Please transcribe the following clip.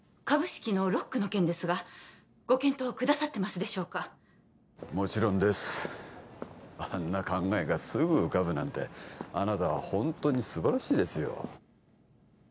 株式のロックの件ですがご検討くださってますでしょうかもちろんですあんな考えがすぐ浮かぶなんてあなたは本当にすばらしいですよ